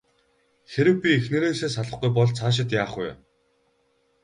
Хэрэв би эхнэрээсээ салахгүй бол цаашид яах вэ?